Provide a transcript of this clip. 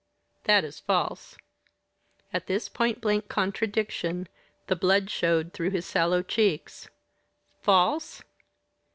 "That is false." At this point blank contradiction, the blood showed through his sallow cheeks. "False?"